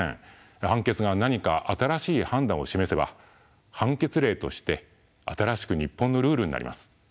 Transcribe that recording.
判決が何か新しい判断を示せば判決例として新しく日本のルールになります。